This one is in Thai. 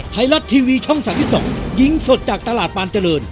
ไทรัตทีวีช่องสามยุคสองยิงสดจากตลาดปานเจริญ